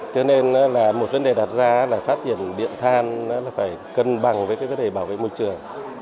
cho nên là một vấn đề đặt ra là phát triển điện than phải cân bằng với cái vấn đề bảo vệ môi trường